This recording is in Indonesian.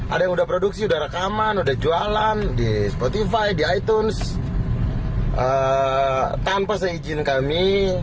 ada yang udah produksi rekaman jualan di spotify di itunes tanpa se izin kami